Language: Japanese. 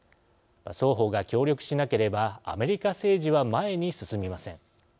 双方が協力しなければアメリカ政治は前に進みません。